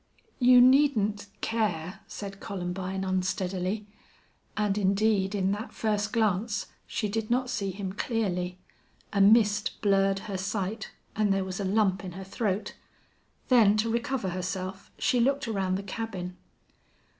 "You needn't care," said Columbine, unsteadily. And indeed, in that first glance she did not see him clearly. A mist blurred her sight and there was a lump in her throat. Then, to recover herself, she looked around the cabin.